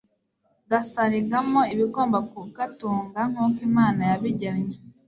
gasarigamo ibigomba kugatunga nk'uko Imana yabigennye,